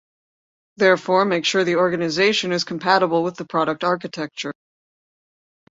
Therefore: Make sure the organization is compatible with the product architecture.